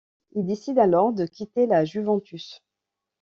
Il décide alors de quitter la Juventus.